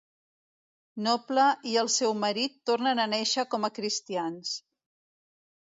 Noble i el seu marit tornen a néixer com a cristians.